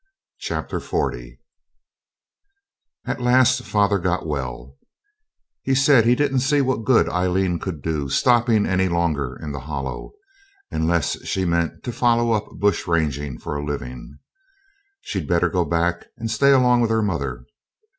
Chapter 40 At last father got well, and said he didn't see what good Aileen could do stopping any longer in the Hollow, unless she meant to follow up bush ranging for a living. She'd better go back and stay along with her mother.